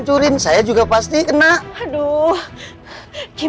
jadi saya juga pasti youtube